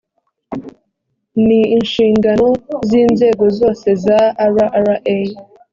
ni inshingano z inzego zose za rra